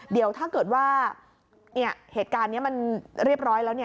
เดี๋ยวถ้าเกิดว่าเหตุการณ์นี้มันเรียบร้อยแล้ว